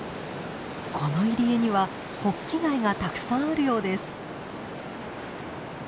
この入り江にはホッキ貝がたくさんあるようです。